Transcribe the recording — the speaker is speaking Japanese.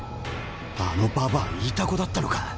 あのばばあイタコだったのか？